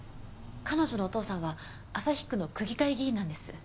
彼女のお父さんは朝日区の区議会議員なんです。